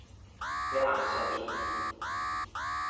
欲烘啥物